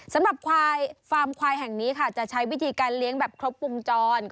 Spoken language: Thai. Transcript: สำหรับควายฟาร์มควายแห่งนี้ค่ะจะใช้วิธีการเลี้ยงแบบครบวงจร